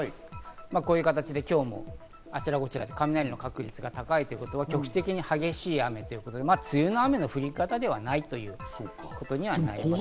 こういう形で今日もあちらこちらで雷の確率が高い局地的に激しい雨ということで梅雨の雨の降り方ではないと言うことになります。